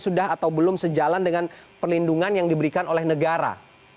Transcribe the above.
sudah atau belum sejalan dengan perlindungan yang diberikan oleh negara